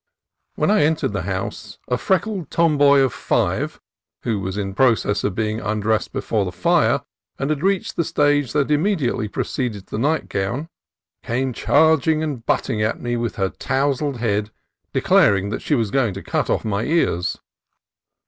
When I entered the house, a freckled tomboy of five, who was in process of being undressed before the fire and had reached the stage that immediately pre cedes the nightgown, came charging and butting at me with her tousled head, declaring that she was going to cut off my ears.